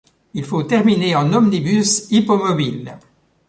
Il faut terminer en omnibus hippomobile.